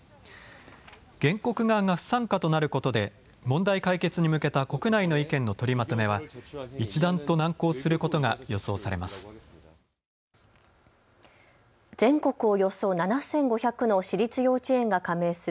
原告側が不参加となることで問題解決に向けた国内の意見の取りまとめは一段と難航することが予想されます。